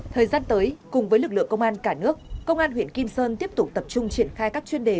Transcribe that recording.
thời gian tới cùng với lực lượng công an cả nước công an huyện kim sơn tiếp tục tập trung triển khai các chuyên đề